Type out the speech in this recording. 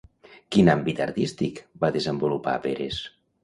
Quin àmbit artístic va desenvolupar Pérez?